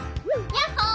やっほー！